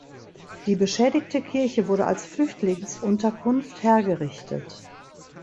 Die beschädigte Kirche wurde als Flüchtlingsunterkunft hergerichtet.